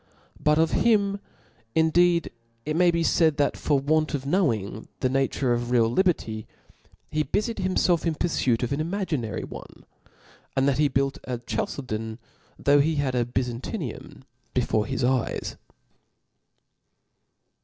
But of him in^ deed it may be faid, that for want of Icnowing tlie nature of real liberty, he bufied himfelf in purfuit of an imaginary one ; and that he built a Chalcedon, though he bad a Byzantium before his eyes.